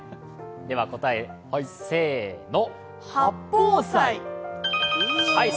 では答えをせーの。